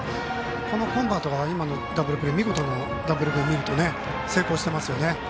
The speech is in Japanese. このコンバートが、今の見事なダブルプレーを見ると成功していますね。